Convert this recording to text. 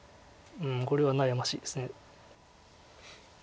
これは悩ましいです。